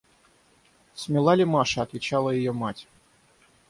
– Смела ли Маша? – отвечала ее мать.